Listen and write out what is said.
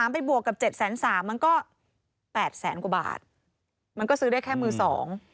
๑๓๐๐๐๐ไปบวกกับ๗๓๐๐๐๐มันก็๘๐๐๐๐๐กว่าบาทมันก็ซื้อได้แค่มือสอง